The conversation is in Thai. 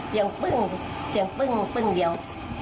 เสียงปึ้งเสียงปึ้งเสียงปึ้งเบียว